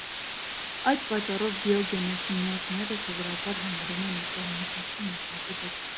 Այս պատճառով բիոգենեցինոզները սովորաբար համարում են էկոհամակարգի մասնակի դեպքեր։